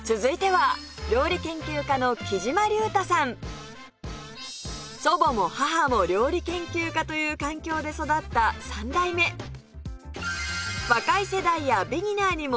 続いては祖母も母も料理研究家という環境で育った三代目！が大人気なんです